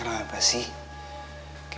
engwannya upper case ya